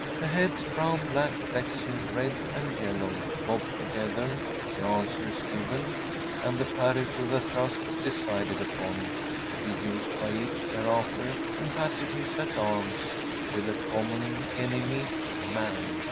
‚ÄĚ The heads, brown, black, flaxen, red, and yellow bob together; the answer is given; and the parry to the thrust is decided upon, to be used by each thereafter in passages at arms with the common enemy, man.